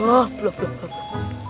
tuh belum belum belum